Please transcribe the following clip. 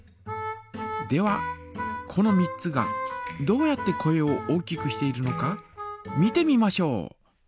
ではこの３つがどうやって声を大きくしているのか見てみましょう！